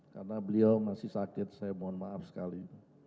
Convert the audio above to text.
karena beliau masih sakit saya mohon maaf sekali